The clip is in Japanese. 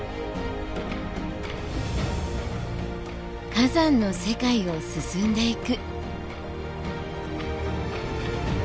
火山の世界を進んでいく。